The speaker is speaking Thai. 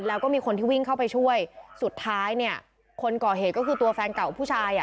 แล้วก็มีคนที่วิ่งเข้าไปช่วยสุดท้ายเนี่ยคนก่อเหตุก็คือตัวแฟนเก่าผู้ชายอ่ะ